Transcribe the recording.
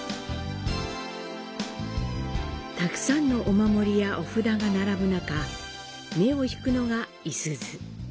たくさんのお守りや神札が並ぶ中、目を引くのが「五十鈴」。